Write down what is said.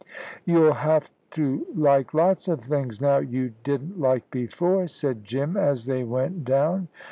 "You'll have to like lots of things now you didn't like before," said Jim, as they went down.